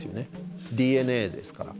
ＤＮＡですから。